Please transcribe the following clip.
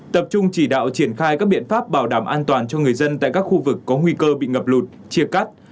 tập trung chỉ đạo triển khai các biện pháp bảo đảm an toàn cho người dân tại các khu vực có nguy cơ bị ngập lụt chia cắt